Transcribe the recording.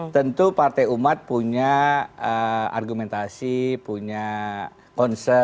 tentu partai umat punya argumentasi punya concern